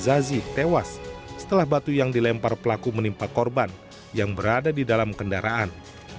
zazi tewas setelah batu yang dilempar pelaku menimpa korban yang berada di dalam kendaraan